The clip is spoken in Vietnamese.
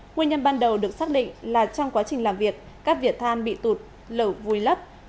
nguyên nhân ban đầu được xác định là trong quá trình làm việc các vỉa than bị tụt lở vùi lấp